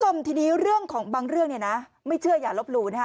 ด้วยที่นี้เรื่องของบางเรื่องไม่เชื่ออย่าลบลู